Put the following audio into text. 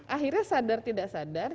akhirnya sadar tidak sadar